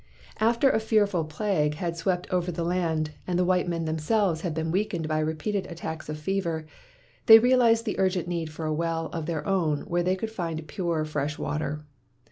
After a fearful plague had swept over the land and the white men themselves had been weakened by repeated attacks of fever, they realized the urgent need for a well of their own where they could find pure fresh water.